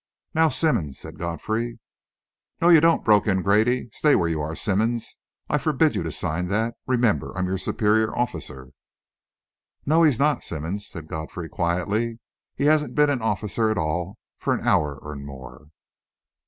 "Now, Simmonds," said Godfrey. "No you don't!" broke in Grady. "Stay where you are, Simmonds. I forbid you to sign that. Remember, I'm your superior officer." "No, he's not, Simmonds," said Godfrey, quietly. "He hasn't been an officer at all for an hour and more."